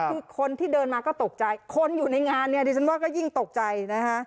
คือคนที่เดินมาก็ตกใจคนอยู่ในงานเนี่ยดิฉันว่าก็ยิ่งตกใจนะคะ